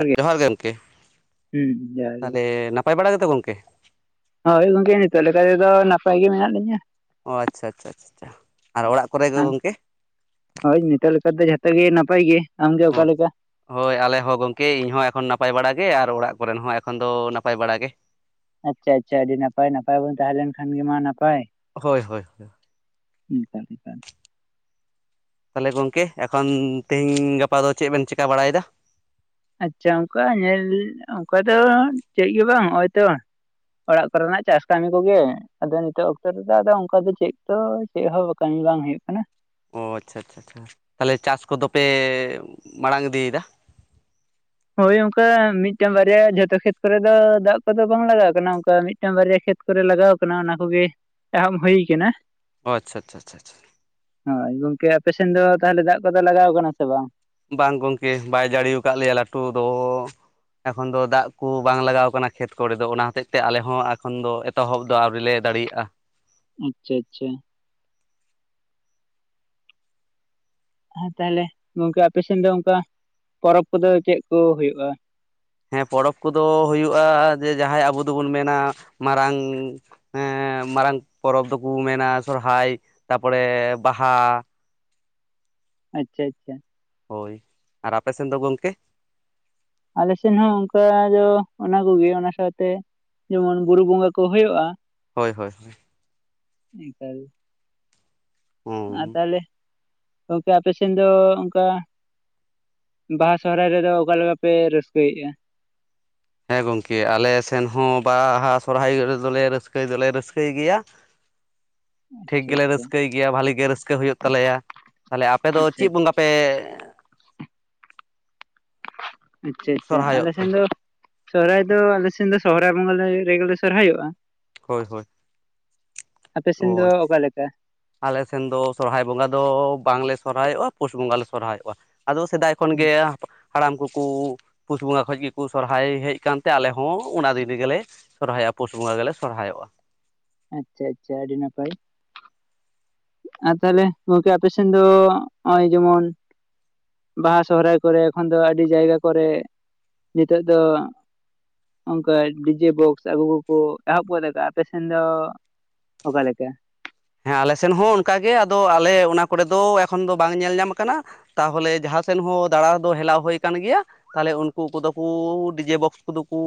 ᱮᱜ ᱡᱚᱦᱟᱨ ᱜᱮ ᱚᱝᱠᱮ ᱦᱩᱸ ᱡᱚᱦᱟᱨ ᱜᱮ ᱛᱟᱞᱦᱮ ᱱᱟᱯᱟᱭ ᱵᱟᱲᱟ ᱜᱮᱛᱚ ᱜᱚᱢᱠᱮ? ᱦᱳᱭ ᱜᱚᱝᱠᱮ ᱱᱤᱛᱚᱜ ᱞᱮᱠᱟ ᱛᱮᱫᱚ ᱱᱟᱯᱟᱭ ᱜᱮ ᱢᱮᱱᱟᱜ ᱞᱤᱧᱟᱹ ᱾ ᱚ ᱟᱪᱪᱷᱟ ᱟᱪᱪᱷᱟ ᱟᱪᱪᱷᱟ ᱟᱨ ᱚᱲᱟᱜ ᱠᱚᱨᱮ ᱜᱮ ᱜᱚᱝᱠᱮ? ᱦᱳᱭ ᱱᱤᱛᱚᱜ ᱞᱮᱠᱟ ᱫᱚ ᱡᱷᱚᱛᱚ ᱜᱮ ᱱᱟᱯᱟᱭ ᱜᱮ ᱟᱢᱜᱮ ᱚᱠᱟ ᱞᱮᱠᱟ? ᱦᱳᱭ ᱟᱞᱮ ᱦᱚᱸ ᱜᱚᱝᱠᱮ ᱤᱧ ᱦᱚᱸ ᱮᱠᱷᱚᱱ ᱱᱟᱯᱟᱭ ᱵᱟᱲᱟ ᱜᱮ ᱟᱨ ᱚᱲᱟᱜ ᱠᱚᱨᱮᱱ ᱦᱚᱸ ᱮᱠᱷᱚᱱ ᱫᱚ ᱱᱟᱯᱟᱭ ᱵᱟᱲᱟ ᱜᱮ ᱾ ᱟᱪᱪᱷᱟ ᱟᱪᱪᱷᱟ ᱟᱹᱰᱤ ᱱᱟᱯᱟᱭ ᱱᱟᱯᱟᱭ ᱵᱚᱱ ᱛᱟᱦᱮᱸ ᱞᱮᱱᱠᱷᱟᱱ ᱜᱮ ᱢᱟ ᱱᱟᱯᱟᱭ ᱾ ᱦᱳᱭ ᱦᱳᱭ, ᱛᱟᱦᱞᱮ ᱜᱚᱝᱠᱮ ᱮᱠᱷᱚᱱ ᱛᱮᱦᱮᱧ ᱜᱟᱯᱟ ᱫᱚ ᱪᱮᱜ ᱵᱮᱱ ᱪᱮᱠᱟ ᱵᱟᱲᱟᱭᱫᱟ? ᱟᱪᱪᱷᱟ ᱚᱱᱠᱟ ᱧᱮᱞ ᱚᱱᱠᱟ ᱫᱚ ᱪᱮᱜ ᱜᱮ ᱵᱟᱝ ᱚᱭ ᱛᱚ ᱾ ᱚᱲᱟᱜ ᱠᱚᱨᱮᱱᱟᱜ ᱪᱟᱥ ᱠᱟᱹᱢᱤ ᱠᱚᱜᱮ ᱾ ᱟᱫᱚ ᱱᱤᱛᱚᱜ ᱚᱠᱛᱚ ᱨᱮᱫᱚ ᱟᱫᱚ ᱚᱱᱠᱟ ᱫᱚ ᱪᱮᱜ ᱫᱚ ᱪᱮᱜ ᱦᱚᱸ ᱠᱟᱹᱢᱤ ᱵᱟᱝ ᱦᱩᱭᱩᱜ ᱠᱟᱱᱟ ᱾ ᱚ ᱟᱪᱪᱷᱟ ᱟᱪᱪᱷᱟ ᱪᱷᱟ ᱛᱟᱦᱞᱮ ᱪᱟᱥ ᱠᱚᱫᱚ ᱯᱮ ᱢᱟᱲᱟᱝ ᱤᱫᱤᱭᱫᱟ? ᱦᱳᱭ ᱚᱝᱠᱮ ᱢᱤᱫᱴᱟᱝ ᱵᱟᱨᱭᱟ ᱡᱷᱚᱛᱚ ᱠᱷᱮᱛ ᱠᱚᱨᱮ ᱫᱚ ᱫᱟᱜ ᱠᱚᱫᱚ ᱵᱟᱝ ᱞᱟᱜᱟᱜ ᱠᱟᱱᱟ ᱚᱱᱠᱟ ᱢᱤᱫ ᱾ ᱢᱤᱫᱴᱟᱝ ᱵᱟᱨᱭᱟ ᱠᱷᱮᱛ ᱠᱚᱨᱮ ᱞᱟᱜᱟᱣ ᱠᱟᱱᱟ ᱚᱱᱟ ᱠᱚᱜᱮ ᱮᱦᱟᱢ ᱦᱩᱭ ᱠᱟᱱᱟ ᱾ ᱚ ᱟᱪᱪᱷᱟ ᱟᱪᱪᱷᱟ, ᱦᱳᱭ ᱜᱚᱝᱠᱮ ᱟᱯᱮ ᱥᱮᱱ ᱫᱚ ᱛᱟᱦᱚᱞᱮ ᱫᱟᱜ ᱠᱚᱫᱚ ᱞᱟᱜᱟᱣ ᱠᱟᱱᱟ ᱥᱮ ᱵᱟᱝ? ᱵᱟᱝ ᱜᱚᱝᱠᱮ ᱵᱟᱭ ᱡᱟᱹᱲᱤ ᱠᱟᱜ ᱞᱮᱭᱟ ᱞᱟᱹᱴᱩ ᱫᱚ ᱾ ᱮᱠᱷᱚᱱ ᱫᱚ ᱫᱟᱜ ᱠᱩ ᱵᱟᱝ ᱞᱟᱜᱟᱣ ᱠᱟᱱᱟ ᱠᱷᱮᱛ ᱠᱚᱨᱮ ᱫᱚ ᱚᱱᱟ ᱦᱚᱛᱮᱡ ᱛᱮ ᱟᱞᱮ ᱦᱚᱸ ᱮᱠᱷᱚᱱ ᱫᱚ ᱾ ᱮᱛᱚᱦᱚᱵ ᱫᱚ ᱟᱹᱣᱨᱤ ᱞᱮ ᱫᱟᱲᱤᱜ-ᱟ ᱾ ᱟᱪᱪᱷᱟ ᱟᱪᱪᱷᱟ, [inaudible] ᱛᱟᱞᱦᱮ ᱜᱚᱝᱠᱮ ᱟᱯᱮ ᱥᱮᱱ ᱫᱚ ᱚᱱᱠᱟ ᱯᱚᱨᱚᱵᱽ ᱠᱚᱫᱚ ᱪᱮᱫ ᱠᱚ ᱦᱩᱭᱩᱜ-ᱟ? ᱦᱮᱸ ᱯᱚᱨᱚᱵᱽ ᱠᱚᱫᱚ ᱦᱩᱭᱩᱜ-ᱟ ᱡᱮ ᱡᱟᱦᱟᱸᱭ ᱟᱵᱚ ᱫᱚᱵᱚᱱ ᱢᱮᱱᱟ ᱢᱟᱨᱟᱝ ᱮᱸ ᱢᱟᱨᱟᱝ ᱯᱚᱨᱚᱵᱽ ᱫᱚᱠᱚ ᱢᱮᱱᱟ ᱥᱚᱨᱦᱟᱭ ᱛᱟᱯᱚᱨᱮ ᱵᱟᱦᱟ ᱾ ᱟᱪᱪᱷᱟ ᱟᱪᱪᱷᱟ, ᱦᱳᱭ ᱟᱨ ᱟᱯᱮ ᱥᱮᱱ ᱫᱚ ᱜᱚᱝᱠᱮ? ᱟᱞᱮ ᱥᱮᱱ ᱦᱚᱸ ᱚᱝᱠᱟ ᱫᱚ ᱚᱱᱟ ᱠᱚᱜᱮ ᱚᱱᱟ ᱥᱟᱶᱛᱮ ᱡᱮᱢᱚᱱ ᱵᱩᱨᱩ ᱵᱚᱸᱜᱟ ᱠᱚ ᱦᱳᱭᱳᱜ-ᱟ ᱾ ᱦᱳᱭ ᱦᱳᱭ, ᱤᱠᱟᱞ, ᱟᱨ ᱦᱩᱸ ᱛᱟᱦᱞᱮ ᱜᱚᱝᱠᱮ ᱟᱯᱮ ᱥᱮᱱ ᱫᱚ ᱚᱱᱠᱟ ᱾ ᱵᱟᱦᱟ ᱥᱚᱦᱨᱦᱟᱭ ᱨᱮᱫᱚ ᱚᱠᱟ ᱞᱮᱠᱟ ᱯᱮ ᱨᱟᱹᱥᱠᱟᱹᱭᱮᱜ-ᱟ? ᱦᱮᱸ ᱜᱚᱝᱠᱮ ᱟᱞᱮ ᱥᱮᱱ ᱦᱚᱸ ᱵᱟᱦᱟ ᱥᱚᱨᱦᱟᱭ ᱨᱮᱫᱚᱞᱮ ᱨᱟᱹᱥᱠᱟᱹᱭ ᱫᱚᱞᱮ ᱨᱟᱹᱥᱠᱟᱹᱭ ᱜᱮᱭᱟ᱾ [inaudible] ᱴᱷᱤᱠ ᱟᱪᱪᱷᱟ ᱜᱮᱞᱮ ᱟᱪᱪᱷᱟ ᱨᱟᱹᱥᱠᱟᱹᱭ ᱜᱮᱭᱟ ᱵᱷᱟᱞᱤ ᱜᱮ ᱨᱟᱹᱥᱠᱟᱹ ᱦᱩᱭᱩᱜ ᱛᱟᱞᱮᱭᱟ, ᱛᱟᱦᱞᱮ ᱟᱯᱮ ᱫᱚ ᱟᱪᱪᱷᱟ ᱪᱮᱜ ᱵᱚᱸᱜᱟ ᱯᱮ ᱟᱪᱪᱷᱟ ᱟᱪᱪᱷᱟ ᱥᱚᱨᱦᱟᱭᱚᱜ ᱟᱞᱮ ᱛᱮ ᱥᱮᱱ ᱫᱚ ᱥᱚᱦᱨᱟᱭ ᱫᱚ ᱟᱞᱮᱥᱮᱱ ᱫᱚ ᱥᱚᱦᱚᱨᱟᱭ ᱵᱚᱸᱜᱟ ᱞᱮ ᱨᱮᱜᱮᱞ ᱥᱚᱨᱚᱦᱟᱭᱚᱜᱼᱟ᱾ ᱦᱳᱭ ᱦᱳᱭ᱾ ᱟᱯᱮ ᱥᱮᱱ ᱫᱚ ᱚ ᱚᱠᱟᱞᱮᱠᱟ? ᱟᱞᱮ ᱥᱮᱱ ᱫᱚ ᱥᱚᱨᱦᱟᱭ ᱵᱚᱸᱜᱟ ᱫᱚ ᱵᱟᱝᱞᱮ ᱥᱚᱨᱦᱟᱭᱚᱜᱼᱟ ᱯᱳᱥ ᱵᱚᱸᱜᱟ ᱞᱮ ᱥᱚᱨᱦᱟᱭᱚᱜᱼᱟ᱾ ᱟᱫᱚ ᱥᱮᱫᱟᱭ ᱠᱷᱚᱱ ᱜᱮ ᱦᱟᱲᱟᱢ ᱠᱚᱠᱚ ᱯᱩᱥ ᱵᱚᱸᱜᱟ ᱠᱷᱚᱭ ᱜᱮᱠᱚ ᱥᱚᱨᱦᱟᱭ ᱦᱮᱜ ᱠᱟᱱᱛᱮ ᱟᱞᱮ ᱦᱚᱸ ᱚᱱᱟ ᱫᱤᱱ ᱨᱮᱜᱮ ᱞᱮ ᱥᱚᱨᱦᱟᱭᱚᱜᱼᱟ ᱯᱩᱥ ᱵᱚᱸᱜᱟ ᱜᱮᱞᱮ ᱥᱚᱨᱦᱟᱭᱚᱜᱼᱟ᱾ ᱟᱪᱪᱷᱟ ᱟᱪᱪᱷᱟ ᱟᱹᱰᱤ ᱱᱟᱯᱟᱭ᱾ ᱟᱨ ᱛᱟᱦᱚᱞᱮ ᱜᱚᱝᱠᱮ ᱟᱯᱮᱥᱱ ᱫᱚ ᱦᱚᱜᱼᱚᱭ ᱡᱮᱢᱚᱱ ᱵᱟᱦᱟ ᱥᱚᱦᱨᱟᱭ ᱠᱚᱨᱮ ᱮᱠᱷᱚᱱ ᱫᱚ ᱟᱹᱰᱤ ᱡᱟᱭᱜᱟ ᱠᱚᱨᱮ ᱱᱤᱛᱚᱜ ᱫᱚ ᱚᱱᱠᱟ ᱰᱤᱡᱮ ᱵᱚᱠᱥ ᱟᱜᱩ ᱠᱚᱠᱚ ᱮᱦᱚᱵᱚ ᱜᱚᱫ ᱠᱟᱜᱼᱟ ᱟᱯᱮ ᱥᱮᱱ ᱫᱚ ᱚᱠᱟ ᱞᱮᱠᱟ? ᱦᱮᱸ ᱟᱞᱮ ᱥᱮᱱ ᱦᱚᱸ ᱚᱱᱠᱟ ᱜᱮ ᱟᱫᱚ ᱟᱞᱮ ᱚᱱᱟ ᱠᱚᱨᱮ ᱫᱚ ᱮᱠᱷᱚᱱ ᱫᱚ ᱵᱟᱝ ᱧᱮᱞ ᱧᱟᱢ ᱠᱟᱱᱟ᱾ ᱛᱟᱦᱚᱞᱮ ᱡᱟᱦᱟᱸ ᱥᱮᱱ ᱦᱚᱸ ᱫᱟᱬᱟᱸ ᱫᱚ ᱦᱮᱞᱟᱣ ᱦᱩᱭ ᱠᱟᱱ ᱜᱮᱭᱟ, ᱛᱟᱦᱚᱞᱮ ᱩᱱᱠᱩ ᱠᱚᱫᱚ ᱠᱚ ᱰᱤᱡᱮ ᱵᱚᱠᱥ ᱠᱚᱫᱚ ᱠᱚ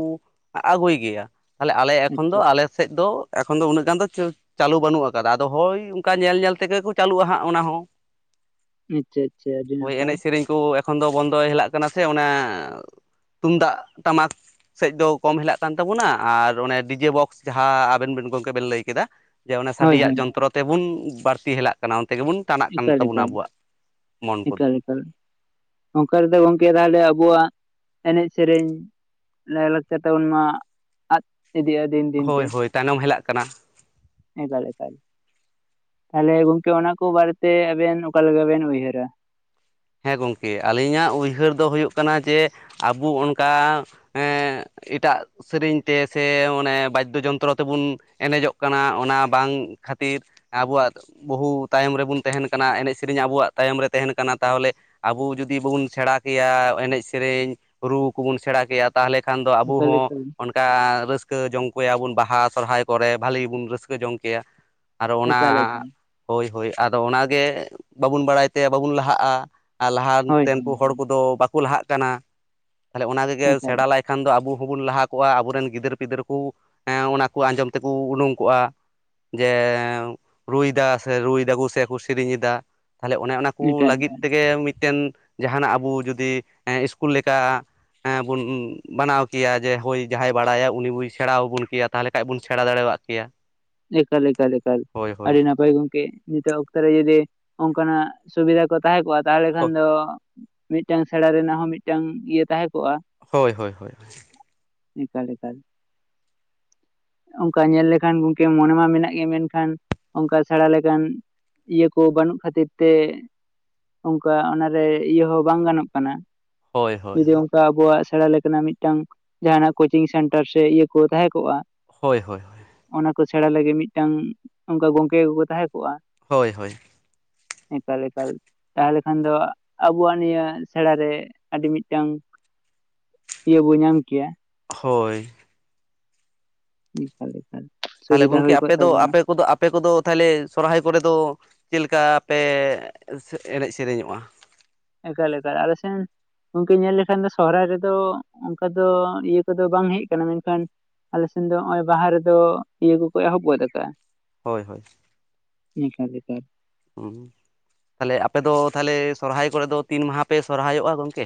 ᱟᱹᱜᱩᱭ ᱜᱮᱭᱟ᱾ ᱛᱟᱦᱮᱞᱮ ᱟᱞᱮ ᱮᱠᱷᱚᱱ ᱫᱚ ᱟᱪᱪᱷᱟ ᱟᱞᱮ ᱥᱮᱜ ᱫᱚ ᱮᱠᱷᱚᱱ ᱫᱚ ᱩᱱᱟᱹᱜ ᱜᱟᱱ ᱫᱚ ᱪᱚ ᱪᱟᱹᱞᱩ ᱵᱟᱹᱱᱩᱜᱼᱟ ᱠᱟᱫᱟ ᱟᱫᱚ ᱦᱳᱭ ᱚᱝᱠᱟ ᱧᱮᱞ ᱧᱮᱞ ᱛᱮᱜᱮ ᱠᱚ ᱪᱟᱹᱞᱩᱜᱼᱟ ᱦᱟᱸᱜ ᱚᱱᱟ ᱦᱚᱸ᱾ ᱟᱪᱪᱷᱟ ᱟᱪᱪᱷᱟ ᱟᱹᱰᱤ ᱦᱳᱭ ᱱᱟᱯᱟᱭ ᱮᱱᱮᱡ ᱥᱮᱨᱮᱧ ᱠᱚ ᱮᱠᱷᱚᱱ ᱫᱚ ᱵᱚᱱᱫᱚᱭ ᱦᱮᱞᱟᱜ ᱠᱟᱱᱟ ᱥᱮ ᱚᱱᱟ ᱛᱩᱢᱫᱟᱜ ᱴᱟᱢᱟᱠ ᱥᱮᱡ ᱫᱚ ᱠᱚᱢ ᱦᱮᱞᱟᱜ ᱠᱟᱱ ᱛᱟᱵᱚᱱᱟ ᱟᱨ ᱚᱱᱮ ᱰᱤᱡᱮ ᱵᱚᱠᱥ ᱡᱟᱦᱟᱸ ᱟᱵᱮᱱ ᱵᱮᱱ ᱜᱚᱝᱠᱮ ᱵᱮᱱ ᱞᱟᱹᱭ ᱠᱮᱫᱟ ᱡᱮ ᱚᱱᱮ ᱦᱳᱭ ᱥᱟᱰᱮᱭᱟᱜ ᱦᱳᱭ ᱡᱚᱱᱛᱨᱚ ᱛᱮᱵᱚᱱ ᱵᱟᱹᱲᱛᱤ ᱦᱮᱞᱟᱜ ᱠᱟᱱᱟ ᱚᱱᱛᱮ ᱜᱮᱵᱚᱱ ᱴᱟᱱᱟᱜ ᱠᱟᱱ ᱛᱟᱵᱚᱱᱟ ᱟᱵᱚᱣᱟᱜ ᱢᱚᱱ ᱠᱚᱫᱚ᱾ ᱱᱚᱝᱠᱟ ᱨᱮᱫᱚ ᱜᱚᱝᱠᱮ ᱛᱟᱦᱚᱞᱮ ᱟᱵᱚᱣᱟᱜ ᱮᱱᱮᱜ ᱥᱮᱨᱮᱧ ᱞᱟᱭᱼᱞᱟᱠᱪᱟᱨ ᱛᱟᱵᱚᱱ ᱢᱟ ᱟᱫᱽ ᱤᱫᱤᱜᱼᱟ ᱫᱤᱱ ᱦᱳᱭ ᱫᱤᱱᱛᱮ᱾ ᱦᱳᱭ ᱛᱟᱭᱱᱚᱢ ᱦᱮᱞᱟᱜ ᱠᱟᱱᱟ ᱮᱠᱟᱞ ᱮᱠᱟᱞ, ᱛᱟᱦᱚᱞᱮ ᱜᱚᱝᱠᱮ ᱚᱱᱟ ᱠᱚ ᱵᱟᱨᱮᱛᱮ ᱟᱵᱮᱱ ᱚᱠᱟᱞᱮᱠᱟ ᱵᱮᱱ ᱩᱭᱦᱟᱹᱨᱟ? ᱦᱮᱸ ᱜᱚᱝᱠᱮ ᱟᱹᱞᱤᱧᱟᱜ ᱩᱭᱦᱟᱹᱨ ᱫᱚ ᱦᱩᱭᱩᱜ ᱠᱟᱱᱟ ᱡᱮ ᱟᱵᱚ ᱚᱱᱠᱟ ᱦᱮᱸ ᱮᱴᱟᱜ ᱥᱮᱨᱮᱧ ᱛᱮ ᱥᱮ ᱚᱱᱮ ᱵᱟᱫᱽᱫᱚ ᱡᱚᱱᱛᱨᱚ ᱛᱮᱵᱚᱱ ᱮᱱᱮᱡᱚᱜ ᱠᱟᱱᱟ ᱚᱱᱟ ᱵᱟᱝ ᱠᱷᱟᱹᱛᱤᱨ ᱟᱵᱚᱣᱟᱜ ᱵᱟᱹᱦᱩ ᱛᱟᱭᱚᱢ ᱨᱮᱵᱚᱱ ᱛᱟᱦᱮᱸᱱ ᱠᱟᱱᱟ ᱮᱱᱮᱡ ᱥᱮᱨᱮᱧ ᱟᱵᱚᱣᱟᱜ ᱛᱟᱭᱚᱢ ᱨᱮ ᱛᱟᱦᱮᱸᱱ ᱠᱟᱱᱟ, ᱛᱟᱦᱚᱞᱮ ᱟᱵᱚ ᱡᱩᱫᱤ ᱵᱚᱱ ᱥᱮᱬᱟ ᱠᱮᱭᱟ ᱮᱱᱮᱡ ᱥᱮᱨᱮᱧ ᱨᱩ ᱠᱚᱵᱚᱱ ᱥᱮᱬᱟ ᱠᱮᱭᱟ ᱛᱟᱦᱚᱞᱮ ᱠᱷᱟᱱ ᱫᱚ ᱟᱵᱚ ᱮᱠᱟᱞ ᱦᱚᱸ ᱮᱠᱟᱞ ᱚᱱ ᱠᱟ ᱨᱟᱹᱥᱠᱟᱹ ᱡᱚᱝ ᱠᱚᱭᱟᱵᱚᱱ ᱵᱟᱦᱟ ᱥᱚᱨᱦᱟᱭ ᱠᱚᱨᱮ ᱵᱷᱟᱹᱞᱮ ᱵᱚᱱ ᱨᱟᱹᱥᱠᱟᱹ ᱡᱚᱝ ᱠᱮᱭᱟ᱾ ᱟᱨ ᱚᱱᱟ ᱮᱠᱟᱞ ᱮᱠᱟᱞ ᱦᱳᱭ ᱦᱳᱭ ᱟᱫᱚ ᱚᱱᱟᱜᱮ ᱵᱟᱵᱚᱱ ᱵᱟᱲᱟᱭ ᱛᱮ ᱵᱟᱵᱚᱱ ᱞᱟᱦᱟᱜᱼᱟ᱾ ᱟᱨ ᱦᱳᱭ ᱞᱟᱦᱟᱛᱮᱱ ᱠᱚ ᱦᱚᱲ ᱦᱳᱭ ᱠᱚᱫᱚ ᱵᱟᱠᱚ ᱞᱟᱦᱟᱜ ᱠᱟᱱᱟ ᱛᱟᱦᱚᱞᱮ ᱚᱱᱟ ᱵᱮᱜᱚᱨ ᱮᱠᱟᱞ ᱥᱮᱬᱟᱸᱞᱟᱭ ᱠᱷᱟᱱ ᱫᱚ ᱟᱵᱚ ᱦᱚᱸᱵᱚᱱ ᱞᱟᱦᱟ ᱠᱚᱜᱼᱟ ᱟᱵᱚᱨᱮᱱ ᱜᱤᱫᱟᱹᱨ-ᱯᱤᱫᱟᱹᱨ ᱠᱚ ᱮᱸ ᱚᱱᱟ ᱠᱚ ᱟᱸᱡᱚᱢ ᱛᱮᱠᱚ ᱩᱰᱩᱝ ᱠᱚᱜᱼᱟ᱾ ᱡᱮ ᱨᱩᱭ ᱫᱟ ᱥᱮ ᱨᱩᱭ ᱫᱟᱠᱚ ᱥᱮᱠᱚ ᱥᱮᱨᱮᱧᱮᱫᱟ, ᱛᱟᱦᱚᱞᱮ ᱚᱱᱮ ᱚᱱᱟ ᱠᱚ ᱮᱠᱟᱞ ᱞᱟᱹᱜᱤᱫ ᱮᱠᱟᱞ ᱛᱮᱜᱮ ᱢᱤᱫᱴᱮᱱ ᱡᱟᱦᱟᱸᱱᱟᱜ ᱟᱵᱚ ᱡᱩᱫᱤ ᱮᱸ ᱤᱥᱠᱩᱞ ᱞᱮᱠᱟ ᱦᱮᱸ ᱵᱚᱱ ᱵᱟᱱᱟᱣ ᱠᱮᱭᱟ ᱡᱮ ᱦᱳᱭ ᱡᱟᱦᱟᱸᱭ ᱵᱟᱲᱟᱭᱟ ᱩᱱᱤ ᱵᱩᱭ ᱥᱮᱬᱟ ᱟᱵᱚᱱ ᱠᱮᱭᱟ ᱛᱟᱦᱚᱞᱮ ᱠᱷᱟᱡ ᱵᱚᱱ ᱥᱮᱬᱟᱸ ᱫᱟᱲᱮᱭᱟᱜ ᱠᱮᱭᱟ᱾ ᱮᱠᱟᱞ ᱮᱠᱟᱞ ᱮᱠᱟᱞ ᱦᱳᱭ ᱦᱳᱭ ᱟᱹᱰᱤ ᱱᱟᱯᱟᱭ ᱜᱚᱝᱠᱮ, ᱱᱤᱛᱚᱜ ᱚᱠᱛᱚ ᱨᱮ ᱡᱩᱫᱤ ᱚᱱᱠᱟᱱᱟᱜ ᱥᱩᱵᱤᱫᱷᱟ ᱠᱚ ᱛᱟᱦᱮᱸ ᱠᱚᱜᱼᱟ ᱛᱟᱦᱚᱞᱮ ᱠᱷᱟᱱ ᱫᱚ ᱢᱤᱜᱴᱮᱝ ᱥᱮᱬᱟ ᱨᱮᱱᱟᱜ ᱦᱚᱸ ᱢᱤᱫᱴᱟᱝ ᱤᱭᱟᱹ ᱛᱟᱦᱮᱸ ᱠᱚᱜ-ᱟ᱾ ᱦᱳᱭ ᱦᱳᱭ ᱦᱳᱭ᱾ ᱮᱠᱟᱞ ᱮᱠᱟᱞ ᱚᱱᱠᱟ ᱧᱮᱞ ᱞᱮᱠᱷᱟᱱ ᱜᱚᱝᱠᱮ ᱢᱚᱱᱮ ᱢᱟ ᱢᱮᱱᱟᱜ ᱜᱮᱭᱟ ᱢᱮᱱᱠᱷᱟᱱ ᱚᱱᱠᱟ ᱥᱮᱬᱟᱸ ᱞᱮᱠᱟᱱ, ᱤᱭᱟᱹ ᱠᱚ ᱵᱟᱹᱱᱩᱜ ᱠᱷᱟᱹᱛᱤᱨ ᱛᱮ ᱚᱱᱠᱟ ᱚᱱᱟᱨᱮ ᱤᱭᱟᱹ ᱦᱚᱸ ᱵᱟᱝ ᱜᱟᱱᱚᱜ ᱠᱟᱱᱟ ᱦᱳᱭ ᱦᱳᱭ ᱡᱩᱫᱤ ᱟᱵᱚᱣᱟᱜ ᱥᱮᱬᱟᱸ ᱞᱮᱠᱟᱱᱟᱜ ᱢᱤᱫᱴᱟᱝ ᱡᱟᱦᱱᱟᱜ ᱠᱳᱪᱤᱝ ᱥᱮᱱᱴᱟᱨ ᱥᱮ ᱤᱭᱟᱹ ᱠᱚ ᱛᱟᱦᱮᱸ ᱠᱚᱜ-ᱟ᱾ ᱦᱳᱭ ᱦᱳᱭ, ᱠᱚ ᱥᱮᱬᱟ ᱞᱟᱹᱜᱤᱫ ᱢᱤᱫᱴᱟᱝ ᱚᱱᱠᱟ ᱜᱚᱝᱠᱮ ᱠᱚᱠᱚ ᱛᱟᱦᱮᱸ ᱠᱚᱜ-ᱟ᱾ ᱦᱳᱭ ᱦᱳᱭ ᱾ ᱮᱸᱠᱟᱞ ᱮᱠᱟᱞ ᱾ ᱛᱟᱦᱚᱞᱮ ᱠᱷᱟᱱ ᱫᱚ ᱟᱵᱚᱣᱟᱜ ᱱᱤᱭᱟᱹ ᱥᱮᱬᱟ ᱨᱮ ᱟᱰᱤ ᱢᱤᱫᱴᱟᱝ ᱤᱭᱟᱹ ᱵᱚ ᱧᱟᱢ ᱠᱮᱭᱟ ᱾ ᱦᱳᱭ ᱾ ᱮᱠᱟᱞ ᱮᱠᱟᱞ ᱾ ᱛᱟᱦᱚᱞᱮ ᱜᱚᱝᱠᱮ ᱟᱯᱮ ᱫᱚ ᱟᱯᱮ ᱠᱚᱫᱚ ᱟᱯ ᱯᱮ ᱠᱚᱫᱚ ᱛᱟᱦᱚᱞᱮ ᱥᱚᱨᱦᱟᱭ ᱠᱚᱨᱮ ᱫᱚ ᱪᱮᱜ ᱞᱮᱠᱟ ᱯᱮ ᱮ ᱮᱱᱮᱡ ᱥᱮᱨᱮᱧᱚᱜ-ᱟ? ᱮᱠᱟᱞ ᱮᱠᱟᱞ ᱟᱞᱮ ᱥᱮᱱ ᱜᱚᱝᱠᱮ ᱧᱮᱞ ᱞᱮᱠᱷᱟᱱ ᱫᱚ ᱥᱚᱦᱨᱟᱭ ᱨᱮᱫᱚ ᱚᱱᱠᱟ ᱫᱚ ᱤᱭᱟᱹ ᱠᱚᱫᱚ ᱵᱟᱝ ᱦᱮᱡ ᱠᱟᱱᱟ, ᱢᱮᱱᱠᱷᱟᱱ ᱟᱞᱮ ᱥᱮᱱ ᱫᱚ ᱱᱚᱸ-ᱚᱭ ᱵᱟᱦᱟ ᱨᱮᱫᱚ ᱤᱭᱟᱹ ᱠᱚᱠᱚ ᱮᱦᱚᱵ ᱜᱚᱫ ᱟᱠᱟᱜ-ᱟ᱾ ᱦᱳᱭ ᱦᱳᱭ ᱾ ᱮᱠᱟᱞ‌ ᱮᱠᱟᱞ ᱾ ᱩᱸᱻ ᱛᱟᱦᱚᱞᱮ ᱟᱯᱮ ᱫᱚ ᱛᱟᱦᱚᱞᱮ ᱥᱚᱨᱦᱟᱭ ᱠᱚᱨᱮ ᱫᱚ ᱛᱤᱱ ᱢᱟᱦᱟᱸ ᱯᱮ ᱥᱚᱨᱦᱟᱭᱚᱜ-ᱟ ᱜᱚᱝᱠᱮ?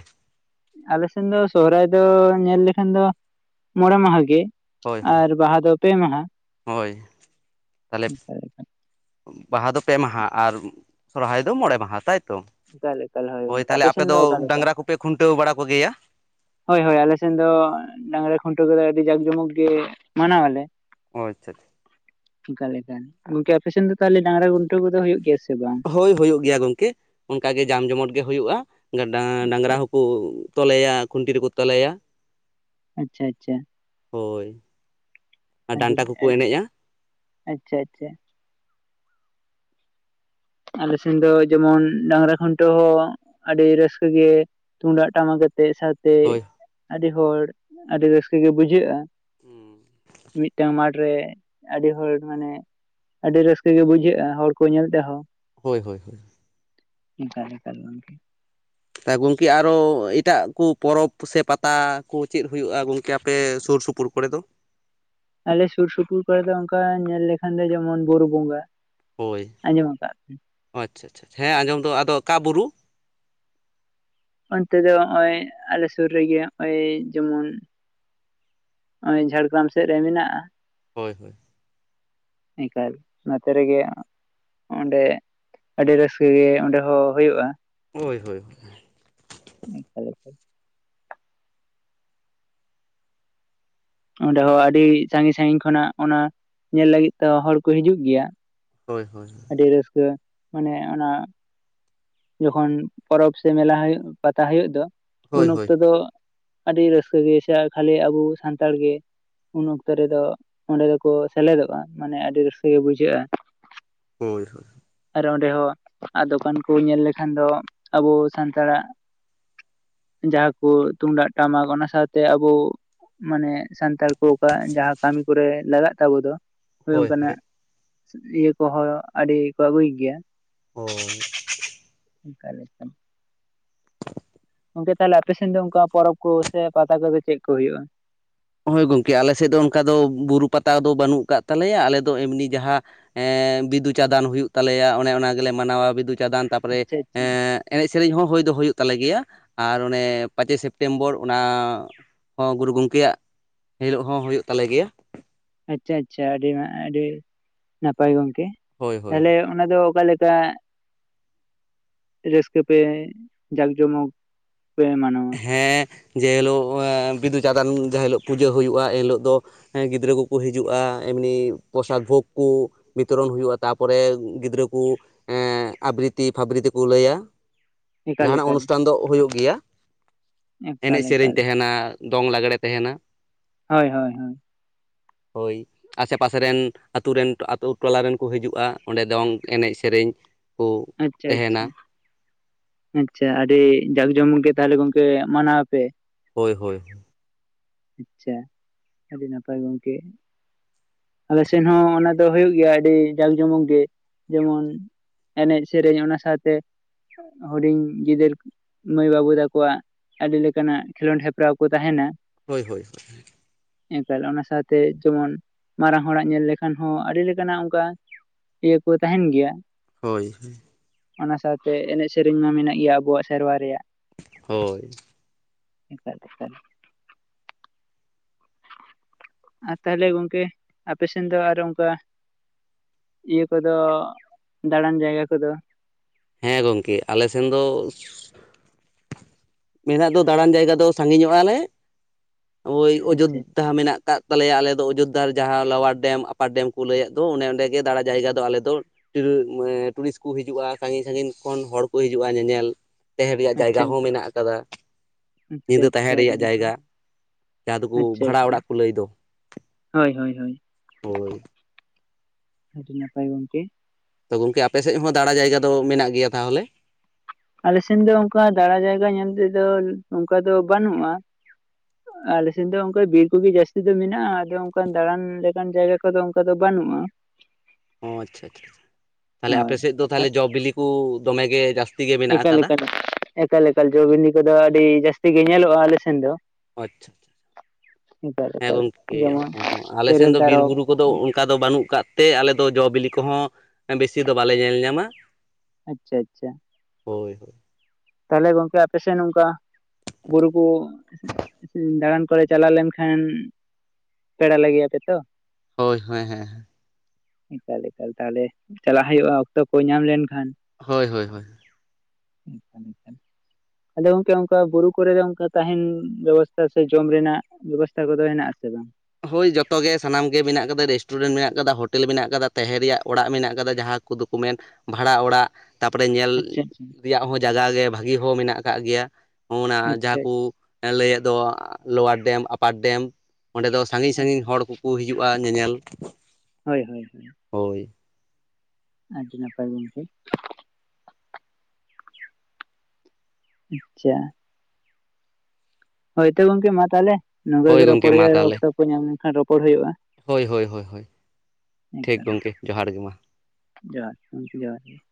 ᱟᱞᱮ ᱥᱮᱱ ᱫᱚ ᱥᱚᱦᱨᱟᱭ ᱫᱚ ᱧᱮᱞ ᱞᱮᱠᱷᱟᱱ ᱫᱚ ᱢᱚᱬᱮ ᱢᱟᱦᱟᱸ ᱜᱮ ᱦᱳᱭ ᱾ ᱦᱳᱭ ᱟᱨ ᱵᱟᱦᱟ ᱫᱚ ᱯᱮ ᱢᱟᱦᱟᱸ, ᱦᱳᱭ ᱛᱟᱦᱚᱞᱮ ᱮᱠᱟᱞ ‌ᱮᱠᱟᱞ ᱾ ᱵᱟᱦᱟ ᱫᱚ ᱯᱮ ᱢᱟᱦᱟᱸ ᱟᱨ ᱥᱚᱨᱦᱟᱭ ᱫᱚ ᱢᱚᱬᱮ ᱢᱟᱦᱟᱸ ᱛᱟᱭᱛᱚ ᱮᱠᱟᱞ ᱮᱠᱟᱞ ᱾ ᱦᱳᱭ ᱜᱚᱝᱠᱮ ᱛᱟᱦᱞᱮ ᱟᱯᱮ ᱥᱮᱱ ᱫᱚ ᱚᱠᱟ ᱞᱮᱠᱟ ᱰᱟᱝᱨᱟ ᱠᱚᱯᱮ ᱠᱷᱩᱱᱴᱟᱹᱣ ᱵᱟᱲᱟ ᱠᱚ ᱜᱮᱭᱟ? ᱦᱳᱭ ᱦᱳᱭ ᱟᱞᱮ ᱥᱮᱱ ᱫᱚ ᱚᱸ ᱰᱟᱝᱨᱟ ᱠᱷᱩᱱᱴᱟᱹᱣ ᱠᱚᱫᱚ ᱟᱹᱰᱤ ᱡᱟᱠ ᱡᱚᱢᱚᱠ ᱜᱮ ᱢᱟᱱᱟᱶᱟ ᱞᱮ ᱾ ᱚ ᱟᱪᱷᱟ ᱪᱷᱟ᱾ ᱮᱠᱟᱞ ᱮᱠᱟᱞ ᱜᱚᱝᱠᱮ ᱟᱯᱮ ᱥᱮᱱ ᱫᱚ ᱛᱟᱦᱚᱞᱮ ᱰᱟᱝᱨᱟ ᱜᱩᱱᱴᱟᱹᱣ ᱠᱚᱫᱚ ᱦᱩᱭᱩᱜ ᱜᱮᱭᱟ ᱥᱮ ᱵᱟᱝ? ᱳᱭ ᱦᱳᱭ ᱦᱩᱭᱩᱜ ᱜᱮᱭᱟ ᱜᱚᱝᱠᱮ ᱚᱱᱠᱟ ᱜᱮ ᱡᱟᱢ ᱡᱚᱢᱚᱴ‌ ᱜᱮ ᱦᱩᱭᱩᱜ-ᱟ ᱜᱟᱰᱟᱝ ᱰᱟᱝᱨᱟ ᱦᱚᱸ ᱠᱩ ᱛᱚᱞᱮᱭᱟ ᱠᱷᱩᱱᱴᱤ ᱨᱮᱠᱚ ᱛᱚᱞᱮᱭᱟ ᱾ ᱟᱪᱪᱷᱟ ᱟᱪᱪᱷᱟ ᱾ ᱦᱳᱭ ᱾ [inaudible] ᱟᱞᱮ ᱥᱮᱱ ᱫᱚ ᱡᱮᱢᱚᱱ ᱰᱟᱝᱨᱟ ᱠᱷᱩᱱᱴᱟᱹᱣ ᱦᱚᱸ ᱟᱰᱤ ᱨᱟᱹᱥᱠᱟᱹ ᱜᱮ ᱛᱩᱢᱫᱟᱜ ᱴᱟᱢᱟᱠ ᱟᱛᱮᱜ ᱥᱟ ᱛᱮᱜ ᱦᱳᱭ ᱟᱰᱤ ᱦᱚᱲ ᱟᱰᱤ ᱨᱟᱹᱥᱠᱟᱹ ᱜᱮ ᱵᱩᱡᱷᱟᱹᱜ-ᱟ ᱢᱤᱫᱴᱟᱝ ᱢᱟᱴᱷ ᱨᱮ ᱟᱰᱤ ᱦᱚᱲ ᱢᱟᱱᱮ ᱟᱰᱤ ᱨᱟᱹᱥᱠᱟᱹ ᱜᱮ ᱵᱩᱡᱷᱟᱹᱜ-ᱟ ᱦᱚᱲ ᱠᱚ ᱧᱮᱞ ᱛᱮᱦᱚᱸ᱾ ᱦᱳᱭ ᱦᱳᱭ ᱦᱳᱭ ᱾ ᱮᱠᱟᱞ‌ ᱮᱠᱟᱞ ᱜᱚᱝᱠᱮ ᱾ ᱛᱟ ᱜᱚᱝᱠᱮ ᱟᱨᱚ ᱤᱴᱟᱜ ᱠᱩ ᱯᱚᱨᱚᱯ ᱥᱮ ᱯᱟᱛᱟ ᱠᱩ ᱪᱤᱫ ᱦᱩᱭᱩᱜ-ᱟ ᱜᱚᱝᱠᱮ ᱟᱯᱮ ᱥᱩᱨ ᱥᱩᱯ ᱯᱩᱨ ᱠᱚᱨᱮ ᱫᱚ? ᱟᱞᱮ ᱥᱩᱨ ᱥᱩᱯᱩᱨ ᱠᱚᱨᱮ ᱫᱚ ᱚᱱᱠᱟ ᱧᱮᱞ ᱞᱮᱠᱷᱟᱱ ᱫᱚ ᱡᱮᱢᱚᱱ ᱵᱩᱨᱩ ᱵᱚᱸᱜᱟ ᱾ ᱦᱳᱭ ᱟᱪᱪᱷᱟ ᱟᱪᱪᱷᱟ ᱦᱮᱸ ᱟᱸᱡᱚᱢ ᱫᱚ ᱟᱫᱚ ᱚᱠᱟ ᱵᱩᱨᱩ? ᱚᱱᱛᱮ ᱫᱚ ᱦᱚᱸᱜ-ᱚᱭ ᱟᱞᱮ ᱥᱩᱨ ᱨᱮᱜᱮ ᱦᱚᱸᱜ-ᱚᱭ ᱡᱮᱢᱚᱱ ᱩᱸᱻ ᱡᱷᱟᱲᱜᱽᱨᱟᱢ ᱥᱮᱜ ᱨᱮ ᱢᱮᱱᱟᱜ-ᱟ᱾ ᱦᱳᱭ ᱦᱳᱭ᱾ ᱮᱠᱟᱞ, ᱚᱱᱟ ᱠᱚᱨᱮᱜᱮ ᱚᱸᱰᱮ, ᱟᱹᱰᱤ ᱨᱟᱹᱥᱠᱟᱹ ᱜᱮ ᱚᱸᱰᱮ ᱦᱚᱸ ᱦᱩᱭᱩᱜ-ᱟ᱾ ᱦᱳᱭ ᱦᱳᱭ ᱦᱳᱭ᱾ ᱮᱠᱟᱞ ᱮᱠᱟᱞ᱾ ᱚᱸᱰᱮ ᱦᱚᱸ ᱟᱰᱤ ᱥᱟᱸᱜᱤᱧ ᱥᱟᱸᱜᱤᱧ ᱠᱷᱚᱱᱟᱜ ᱚᱱᱟ ᱧᱮᱞ ᱞᱟᱹᱜᱤᱫ ᱛᱮᱦᱚᱸ ᱦᱚᱲ ᱠᱩ ᱦᱤᱡᱩᱜ ᱜᱮᱭᱟ᱾ ᱦᱳᱭ ᱦᱳᱭ ᱦᱳᱭ᱾ ᱟᱹᱰᱤ ᱨᱟᱹᱥᱠᱟᱹ ᱢᱟᱱᱮ ᱚᱱᱟ ᱡᱚᱠᱷᱚᱱ ᱯᱚᱨᱚᱵᱽ ᱥᱮ ᱢᱮᱞᱟ ᱦᱩᱭᱩᱜ, ᱯᱟᱛᱟ ᱦᱩᱭᱩᱜ ᱫᱚ ᱩᱱ ᱦᱳᱭ ᱦᱳᱭ ᱚᱠᱛᱚ ᱫᱚ ᱟᱹᱰᱤ ᱨᱟᱹᱥᱠᱟᱹ ᱜᱮ ᱥᱮ ᱟᱨ ᱠᱷᱟᱹᱞᱤ ᱟᱵᱩ ᱥᱟᱱᱛᱟᱲ ᱜᱮ᱾ ᱩᱱ ᱚᱠᱛᱚ ᱨᱮᱫᱚ ᱚᱸᱰᱮ ᱫᱚᱠᱚ ᱥᱮᱞᱮᱫᱚᱜ-ᱟ ᱢᱟᱱᱮ ᱟᱰᱤ ᱨᱟᱹᱥᱠᱟᱹ ᱜᱮ ᱵᱩᱡᱷᱟᱹᱜ-ᱟ᱾ ᱦᱳᱭ ᱦᱳᱭ᱾ ᱟᱨ ᱚᱸᱰᱮ ᱦᱚᱸ ᱟ ᱫᱚᱠᱟᱱ ᱠᱚ ᱧᱮᱞ ᱞᱮᱠᱷᱟᱱ ᱫᱚ ᱟᱵᱚ ᱥᱟᱱᱛᱟᱲᱟᱜ᱾ ᱡᱟᱦᱟᱸ ᱠᱚ ᱛᱩᱢᱫᱟᱜ, ᱴᱟᱢᱟᱠ ᱚᱱᱟ ᱥᱟᱶᱛᱮ ᱟᱵᱚ ᱢᱟᱱᱮ ᱥᱟᱱᱛᱟᱲ ᱠᱚ ᱚᱠᱟ ᱡᱟᱦᱟᱸ ᱠᱟᱹᱢᱤ ᱠᱚᱨᱮ ᱞᱟᱜᱟᱜ ᱛᱟᱵᱚ ᱫᱚ। ᱦᱳᱭ ᱚᱝᱠᱟᱱᱟᱜ ᱤᱭᱟᱹ ᱠᱚᱦᱚᱸ ᱟᱹᱰᱤ ᱠᱚ ᱟᱹᱜᱩᱭ ᱜᱮᱭᱟ। ᱦᱳᱭ᱾ ᱮᱠᱟᱞ ᱮᱠᱟᱞ᱾ ᱜᱚᱝᱠᱮ ᱛᱟᱦᱞᱮ ᱟᱯᱮ ᱥᱮᱱ ᱫᱚ ᱚᱝᱠᱟ ᱯᱚᱨᱚᱵᱽ ᱠᱚ ᱥᱮ ᱯᱟᱛᱟ ᱠᱚᱫᱚ ᱪᱮᱫ ᱠᱚ ᱦᱩᱭᱩᱜ-ᱟ? ᱦᱳᱭ ᱜᱚᱝᱠᱮ ᱟᱞᱮ ᱥᱮᱫ ᱫᱚ ᱚᱱᱠᱟ ᱫᱚ ᱵᱩᱨᱩ ᱯᱟᱛᱟ ᱫᱚ ᱵᱟᱹᱱᱩᱜ ᱠᱟᱫ ᱛᱟᱞᱮᱭᱟ ᱟᱞᱮ ᱫᱚ ᱮᱢᱱᱤ ᱡᱟᱦᱟᱸ ᱮᱻ ᱵᱤᱫᱩ ᱪᱟᱸᱫᱟᱱ ᱦᱩᱭᱩᱜ ᱛᱟᱞᱮᱭᱟ ᱚᱱᱮ ᱚᱱᱟ ᱜᱮᱞᱮ ᱢᱟᱱᱟᱣᱟ ᱵᱤᱫᱩ ᱪᱟᱸᱫᱟᱱ ᱛᱟᱨᱯᱚᱨᱮ ᱟᱪᱪᱷᱟ ᱟᱪᱪᱷᱟ ᱮᱸᱜᱻ ᱮᱱᱮᱡ ᱥᱮᱨᱮᱧ ᱦᱚᱸ ᱦᱩᱭ ᱫᱚ ᱦᱩᱭᱩᱜ ᱛᱟᱞᱮ ᱜᱮᱭᱟ, ᱟᱨ ᱚᱱᱮ ᱯᱟᱸᱪᱮᱭ ᱥᱮᱯᱴᱮᱢᱵᱚᱨ ᱚᱱᱟ ᱦᱚᱸ ᱜᱩᱨᱩ ᱜᱚᱝᱠᱮᱭᱟᱜ ᱦᱤᱞᱳᱜ ᱦᱚᱸ ᱦᱩᱭᱩᱜ ᱛᱟᱞᱮ ᱜᱮᱭᱟ। ᱟᱪᱪᱷᱟ, ᱟᱪᱪᱷᱟ ᱟᱹᱰᱤ ᱢᱟ ᱟᱹᱰᱤ ᱱᱟᱯᱟᱭ ᱜᱚᱝᱠᱮ ᱦᱳᱭ ᱦᱳᱭ ᱛᱟᱦᱞᱮ ᱚᱱᱟ ᱫᱚ ᱚᱠᱟᱞᱮᱠᱟ ᱨᱟᱹᱥᱠᱟᱹ ᱯᱮ ᱡᱟᱠ ᱡᱚᱢᱚᱠ ᱯᱮ ᱢᱟᱱᱟᱣᱟ᱾ ᱦᱮᱸ ᱡᱮ ᱦᱤᱞᱳᱜ ᱵᱤᱫᱩ ᱪᱟᱸᱫᱟᱱ ᱡᱟᱦᱟᱸ ᱦᱤᱞᱳᱜ ᱯᱩᱡᱟᱹ ᱦᱩᱭᱩᱜ-ᱟ ᱮᱱ ᱦᱤᱞᱳᱜ ᱫᱚ ᱦᱮᱸ ᱜᱤᱫᱽᱨᱟᱹ ᱠᱚᱠᱚ ᱦᱤᱡᱩᱜ-ᱟ ᱮᱢᱱᱤ ᱯᱚᱥᱟᱫ ᱵᱷᱳᱜᱽ ᱠᱚ᱾ ᱵᱤᱛᱚᱨᱚᱱ ᱦᱩᱭᱩᱜ-ᱟ ᱛᱟᱯᱚᱨᱮ ᱜᱤᱫᱽᱨᱟᱹ ᱠᱚ ᱮᱸᱻ ᱟᱵᱨᱤᱛᱤ ᱯᱷᱟᱵᱨᱤᱛᱤ ᱠᱚ ᱞᱟᱹᱭᱟ, ᱮᱠᱟᱞ ᱡᱟᱸᱦᱟᱱᱟᱜ ᱮᱠᱟᱞ ᱚᱱᱩᱥᱴᱷᱟᱱ ᱫᱚ ᱦᱩᱭᱩᱜ ᱜᱮᱭᱟ᱾ ᱮᱱᱮᱡ ᱮᱠᱟᱞ ᱥᱮᱨᱮᱧ ᱮᱠᱟᱞ ᱛᱮᱦᱮᱱᱟ, ᱫᱚᱝ ᱞᱟᱜᱽᱲᱮ ᱛᱮᱦᱮᱱᱟ᱾ ᱦᱳᱭ ᱦᱳᱭ ᱦᱳᱭ᱾ ᱦᱳᱭ᱾ ᱟᱥᱮ ᱯᱟᱥᱮ ᱨᱮᱱ ᱟᱹᱛᱩ ᱨᱮᱱ, ᱟᱹᱛᱩ ᱴᱚᱞᱟ ᱨᱮᱱ ᱠᱚ ᱦᱤᱡᱩᱜ-ᱟ ᱚᱸᱰᱮ ᱫᱚᱝ ᱮᱱᱮᱡ ᱥᱮᱨᱮᱧ᱾ ᱠᱩ ᱟᱪᱪᱷᱟ ᱟᱪᱪᱷᱟ ᱛᱮᱸᱦᱮᱱᱟ᱾ ᱟᱪᱪᱷᱟ ᱟᱹᱰᱤ ᱡᱟᱠ ᱡᱚᱢᱚᱠ ᱜᱮ ᱛᱟᱦᱞᱮ ᱜᱚᱝᱠᱮ ᱢᱟᱱᱟᱣᱟᱯᱮ? ᱦᱳᱭ ᱦᱳᱭ ᱦᱳᱭ᱾ ᱟᱪᱪᱷᱟ, ᱟᱹᱰᱤ ᱱᱟᱯᱟᱭ ᱜᱚᱝᱠᱮ᱾ ᱟᱞᱮ ᱥᱮᱱ ᱦᱚᱸ ᱚᱱᱟ ᱫᱚ ᱦᱩᱭᱩᱜ ᱜᱮᱭᱟ ᱟᱹᱰᱤ ᱡᱟᱸᱠ ᱡᱚᱢᱚᱠ ᱜᱮ᱾ ᱡᱮᱢᱚᱱ ᱮᱱᱮᱡ ᱥᱮᱨᱮᱧ ᱚᱱᱟ ᱥᱟᱶᱛᱮ ᱦᱩᱰᱤᱧ ᱜᱤᱫᱟᱹᱨ ᱠᱚ ᱢᱟᱹᱭ ᱵᱟᱹᱵᱩ ᱛᱟᱠᱚᱣᱟᱜ ᱟᱹᱰᱤ ᱞᱮᱠᱟᱱᱟᱜ ᱠᱷᱮᱸᱞᱳᱰ ᱦᱮᱯᱨᱟᱣ ᱠᱚ ᱛᱟᱸᱦᱮᱱᱟ᱾ ᱦᱳᱭ ᱦᱳᱭ ᱦᱳᱭ᱾ ᱮᱠᱟᱞ, ᱚᱱᱟ ᱥᱟᱶᱛᱮ ᱡᱮᱢᱚᱱ ᱢᱟᱨᱟᱝ ᱦᱚᱲᱟᱜ ᱧᱮᱞ ᱞᱮᱠᱷᱟᱱ ᱦᱚᱸ ᱟᱹᱰᱤ ᱞᱮᱠᱟᱱᱟᱜ ᱚᱱᱠᱟ ᱤᱭᱟᱹ ᱠᱚ ᱛᱟᱸᱦᱮᱱ ᱜᱮᱭᱟ ᱦᱳᱭ। ᱚᱱᱟ ᱥᱟᱶᱛᱮ ᱮᱱᱮᱡ ᱥᱮᱨᱮᱧ ᱢᱟ ᱢᱮᱱᱟᱜ ᱜᱮᱭᱟ ᱟᱵᱚᱣᱟᱜ ᱥᱮᱨᱣᱟ ᱨᱮᱭᱟᱜ। ᱦᱳᱭ। ᱮᱴᱟᱜ ᱮᱴᱟᱜ ᱟᱨ ᱛᱟᱦᱚᱞᱮ ᱜᱚᱝᱠᱮ, ᱟᱯᱮ ᱥᱮᱱ ᱫᱚ ᱟᱨᱚ ᱚᱱᱠᱟ ᱤᱭᱟᱹ ᱠᱚᱫᱚ, ᱫᱟᱬᱟᱱ ᱡᱟᱭᱜᱟ ᱠᱚᱫᱚ ᱦᱮᱸ ᱜᱚᱝᱠᱮ ᱟᱞᱮ ᱥᱮᱱ ᱫᱚ ᱢᱮᱱᱟᱜ ᱫᱚ ᱫᱟᱬᱟᱱ ᱡᱟᱭᱜᱟ ᱫᱚ ᱥᱟᱺᱜᱤᱧᱚᱜ ᱟᱞᱮ, ᱳᱭ ᱟᱪᱪᱷᱟ ᱚᱡᱳᱫᱽᱫᱷᱟ ᱢᱮᱱᱟᱜ ᱟᱠᱟᱫ ᱛᱟᱞᱮᱭᱟ ᱟᱞᱮ ᱫᱚ ᱚᱡᱳᱫᱽᱫᱷᱟ ᱡᱟᱦᱟᱸ ᱞᱚᱣᱟᱨ ᱰᱮᱢ ᱟᱯᱟᱨ ᱰᱮᱢ ᱠᱚ ᱞᱟᱹᱭᱮᱫ ᱫᱚ ᱚᱱᱮ ᱚᱸᱰᱮ ᱜᱮ ᱫᱟᱬᱟᱱ ᱡᱟᱭᱜᱟ ᱫᱚ ᱟᱞᱮ ᱫᱚᱼᱼ ᱴᱩᱭᱩᱨᱤ ᱩᱸ ᱴᱩᱨᱤᱥᱴ ᱠᱚ ᱦᱤᱡᱩᱜᱼᱟ, ᱥᱟᱺᱜᱤᱧ ᱥᱟᱺᱜᱤᱧ ᱠᱷᱚᱱ ᱦᱚᱲ ᱠᱚ ᱦᱤᱡᱩᱜᱼᱟ ᱧᱮᱧᱮᱞ। ᱛᱟᱦᱮᱸᱱ ᱨᱮᱭᱟᱜ ᱡᱟᱭᱜᱟ ᱟᱪᱪᱷᱟ ᱦᱚᱸ ᱟᱪᱪᱷᱟ ᱢᱮᱱᱟᱜ ᱟᱠᱟᱫᱟ, ᱟᱪᱪᱷᱟ ᱧᱤᱫᱟᱹ ᱟᱪᱪᱷᱟ ᱛᱟᱦᱮᱸᱱ ᱟᱹᱰᱤ ᱨᱮᱭᱟᱜ ᱱᱟᱯᱟᱭ ᱡᱟᱭᱜᱟ। ᱡᱟᱦᱟᱸ ᱫᱚᱠᱳ ᱟᱪᱪᱷᱟ ᱵᱷᱟᱲᱟ ᱟᱪᱪᱷᱟ ᱚᱲᱟᱜ ᱠᱚ ᱞᱟᱹᱭ ᱫᱚ, ᱦᱳᱭ ᱦᱳᱭ ᱦᱳᱭ ᱦᱳᱭ। ᱟᱹᱰᱤ ᱱᱟᱯᱟᱭ ᱜᱚᱢᱠᱮ। ᱛᱚ ᱜᱚᱝᱠᱮ ᱟᱯᱮ ᱥᱮᱫ ᱦᱚᱸ ᱫᱟᱬᱟ ᱡᱟᱭᱜᱟ ᱫᱚ ᱢᱮᱱᱟᱜ ᱜᱮᱭᱟ ᱛᱟᱦᱚᱞᱮ? ᱟᱞᱮ ᱥᱮᱱ ᱫᱚ ᱚᱱᱠᱟ ᱫᱟᱬᱟ ᱡᱟᱭᱜᱟ ᱧᱮᱞ ᱛᱮᱫᱚ, ᱚᱱᱠᱟ ᱫᱚ ᱵᱟᱹᱱᱩᱜᱼᱟ। ᱟᱞᱮᱥᱮᱱ ᱫᱚ ᱚᱱᱠᱟ ᱵᱤᱨ ᱠᱚᱜᱮ ᱡᱟᱹᱥᱛᱤ ᱫᱚ ᱢᱮᱱᱟᱜᱼᱟ, ᱟᱫᱚ ᱚᱱᱠᱟ ᱫᱟᱬᱟᱱ ᱞᱮᱠᱟᱱ ᱡᱟᱭᱜᱟ ᱠᱚᱫᱚ ᱚᱱᱠᱟ ᱫᱚ ᱵᱟᱹᱱᱩᱜᱼᱟ। [inaudible] ᱚ ᱟᱪᱪᱷᱟ ᱟᱪᱪᱷᱟ, ᱛᱟᱦᱚᱞᱮ ᱟᱯᱮ ᱦᱳᱭ ᱥᱮᱫ ᱫᱚ ᱛᱟᱦᱚᱞᱮ ᱟ- ᱡᱚ ᱵᱤᱞᱤ ᱠᱚ ᱫᱚᱢᱮ ᱜᱮ ᱡᱟᱹᱥ। ᱮᱠᱟᱞ ᱮᱠᱟᱞ, ᱮᱠᱟᱞ ᱮᱠᱟᱞ ᱡᱚ ᱵᱤᱞᱤ ᱠᱚᱫᱚ ᱟᱹᱰᱤ ᱡᱟᱹᱥᱛᱤ ᱜᱮ ᱧᱮᱞᱚᱜᱼᱟ ᱟᱞᱮ ᱥᱮᱱ ᱫᱚ ᱾ ᱟᱪᱪᱷᱟ, ᱦᱮᱸ ᱮᱠᱟᱞ ᱜᱚᱝᱠᱮ ᱡᱮᱢᱚᱱ ᱚ [inaudible] ᱟᱞᱮ ᱥᱮᱱ ᱛᱮᱨᱮᱞ ᱫᱚ ᱵᱤᱨ ᱛᱟᱨᱚᱵ ᱵᱩᱨᱩ ᱠᱚᱫᱚ ᱚᱱᱠᱟ ᱫᱚ ᱵᱟᱹᱱᱩᱜ ᱠᱟᱫ ᱛᱮ ᱟᱞᱮ ᱫᱚ ᱡᱚ ᱵᱤᱞᱤ ᱠᱚᱦᱚᱸ ᱵᱮᱥᱤ ᱫᱚ ᱵᱟᱞᱮ ᱧᱮᱞ ᱧᱟᱢᱟ ᱟᱪᱪᱷᱟ ᱟᱪᱪᱷᱟ ᱾ ᱦᱳᱭ ᱦᱳᱭ ᱾ ᱛᱟᱦᱚᱞᱮ ᱜᱚᱝᱠᱮ ᱟᱯᱮ ᱥᱮᱱ ᱚᱝᱠᱟ ᱵᱩᱨᱩ ᱠᱚ ᱫᱟᱬᱟᱱ ᱠᱚᱨᱮ ᱪᱟᱞᱟᱣ ᱞᱮᱱᱠᱷᱟᱱ ᱯᱮᱲᱟ ᱞᱮ ᱜᱮᱭᱟᱯᱮ ᱛᱚ? ᱦᱳᱭ ᱦᱳᱭ ᱦᱮᱸ ᱦᱮᱸ᱾ ᱮᱠᱟᱞ ᱮᱠᱟᱞ, ᱛᱟᱦᱚᱞᱮ ᱪᱟᱞᱟᱜ ᱦᱩᱭᱩᱜᱼᱟ ᱚᱠᱛᱚ ᱠᱚ ᱧᱟᱢ ᱞᱮᱱᱠᱷᱟᱱ ᱾ ᱦᱳᱭ ᱦᱳᱭ ᱦᱳᱭ ᱾ [unintelligible] ᱟᱫᱚ ᱜᱚᱝᱠᱮ ᱚᱱᱠᱟ ᱵᱩᱨᱩ ᱠᱚᱨᱮ ᱫᱚ ᱚᱱᱠᱟ ᱛᱟᱸᱦᱮᱱ ᱵᱮᱵᱚᱥᱛᱟ ᱥᱮ ᱡᱚᱢ ᱨᱮᱱᱟᱜ ᱵᱮᱵᱚᱥᱛᱷᱟ ᱠᱚᱫᱚ ᱦᱮᱱᱟᱜ ᱟᱥᱮ ᱵᱟᱝ? ᱦᱳᱭ ᱡᱚᱛᱚ ᱜᱮ ᱥᱟᱱᱟᱢ ᱜᱮ ᱢᱮᱱᱟᱜ ᱠᱟᱫᱟ, ᱨᱮᱥᱴᱩᱨᱮᱱᱴ ᱢᱮᱱᱟᱜ ᱠᱟᱫᱟ, ᱦᱳᱴᱮᱞ ᱢᱮᱱᱟᱜ ᱠᱟᱫᱟ, ᱛᱟᱸᱦᱮᱱ ᱨᱮᱭᱟᱜ ᱚᱲᱟᱜ ᱢᱮᱱᱟᱜ ᱠᱟᱫᱟ ᱡᱟᱸᱦᱟ ᱠᱚᱫᱚ ᱠᱚ ᱢᱮᱱ ᱵᱷᱟᱲᱟ ᱚᱲᱟᱜ, ᱛᱟᱨᱯᱚᱨᱮ ᱧᱮᱞ ᱟᱪᱪᱷᱟ ᱟᱪᱪᱷᱟ ᱛᱮᱭᱟᱜ ᱦᱚᱸ ᱡᱟᱜᱟ ᱜᱮ ᱵᱷᱟᱹᱜᱤ ᱦᱚᱸ ᱢᱮᱱᱟᱜ ᱟᱠᱟᱜ ᱜᱮᱭᱟ ᱾ ᱚᱱᱟ ᱟᱪᱪᱷᱟ ᱡᱟᱦᱟᱸ ᱠᱩ ᱞᱟᱹᱭᱮᱫ ᱫᱚ ᱞᱳᱣᱟᱨ ᱰᱮᱢ, ᱟᱯᱟᱨ ᱰᱮᱢ ᱚᱸᱰᱮ ᱫᱚ ᱥᱟᱺᱜᱤᱧ ᱟᱪᱪᱷᱟ ᱥᱟᱺᱜᱤᱧ ᱦᱚᱲ ᱠᱚ ᱠᱚ ᱦᱤᱡᱩᱜᱼᱟ ᱧᱮᱧᱮᱞ ᱾ ᱦᱳᱭ ᱦᱳᱭ ᱦᱳᱭ᱾ ᱦᱳᱭ ᱾ ᱟᱹᱰᱤ ᱱᱟᱯᱟᱭ ᱜᱚᱢᱠᱮ ᱾ ᱟᱪᱪᱷᱟ ᱾ ᱦᱳᱭ ᱛᱚ ᱜᱚᱝᱠᱮ ᱢᱟ ᱛᱟᱦᱚᱞᱮ, ᱱᱚᱝᱠᱟ ᱦᱳᱭ ᱜᱮ ᱜᱚᱢᱠᱮ ᱨᱚᱯᱚᱲ ᱢᱟ ᱦᱩᱭᱩᱜᱼᱟ, ᱛᱟᱦᱚᱞᱮ ᱚᱠᱛᱚ ᱠᱚ ᱧᱟᱢ ᱞᱮᱱᱠᱷᱟᱱ ᱨᱚᱯᱚᱲ ᱦᱩᱭᱩᱜᱼᱟ᱾ ᱦᱳᱭ ᱦᱳᱭ ᱦᱳᱭ ᱦᱳᱭ, ᱴᱷᱤᱠ ᱮᱱᱠᱷᱟᱱ ᱜᱚᱢᱠᱮ, ᱡᱚᱦᱟᱨ ᱜᱮ ᱢᱟ ᱾ ᱡᱚᱦᱟᱨ ᱜᱚᱢᱠᱮ ᱡᱚᱦᱟᱨ ᱜᱮ ᱾